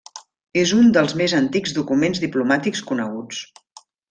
És un dels més antics documents diplomàtics coneguts.